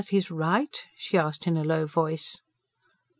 is right?" she asked in a low voice.